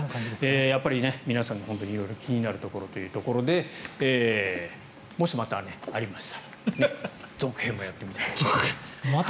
やっぱり、皆さん色々気になるところということでもしまたありましたら続編もやってみたいと思います。